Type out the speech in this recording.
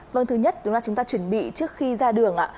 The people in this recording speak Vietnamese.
vâng thứ nhất chúng ta chuẩn bị trước khi ra đường